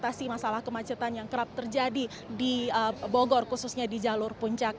mengatasi masalah kemacetan yang kerap terjadi di bogor khususnya di jalur puncak